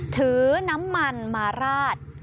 ถือน้ำมันมาราด